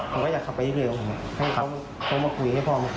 ผมก็อยากขับไปเร็วให้พ่อมาคุย